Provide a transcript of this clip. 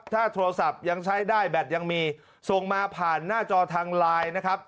ถ้าโทรศัพท์ยังใช้ได้แบตยังมีส่งมาผ่านหน้าจอทางไลน์นะครับ